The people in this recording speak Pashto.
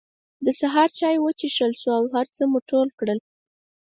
د سهار چای وڅکل شو او هر څه مو ټول کړل.